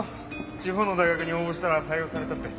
地方の大学に応募したら採用されたって。